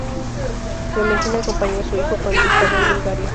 Clementina acompañó a su hijo cuando se instaló en Bulgaria.